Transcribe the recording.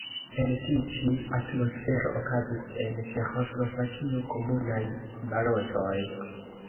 En tiu ĉi atmosfero okazis en Ĉeĥoslovakio komunaj balotoj.